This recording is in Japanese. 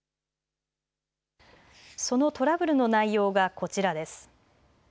そのトラブルの内容がこちらです。